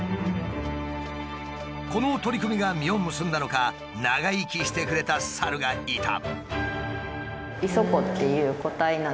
この取り組みが実を結んだのか長生きしてくれたサルがいた。